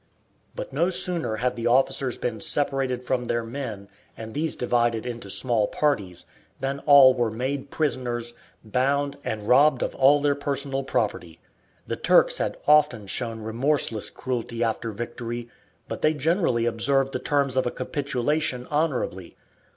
But no sooner had the officers been separated from their men, and these divided into small parties, than all were made prisoners, bound, and robbed of all their personal property. The Turks had often shown remorseless cruelty after victory, but they generally observed the terms of a capitulation honourably.